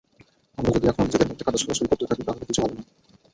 আমরা যদি এখনো নিজেদের মধ্যে কাদা-ছোড়াছুড়ি করতে থাকি, তাহলে কিছু হবে না।